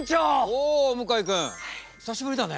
おお向井君久しぶりだね。